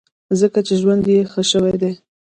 ځکه چې ژوند یې ښه شوی دی.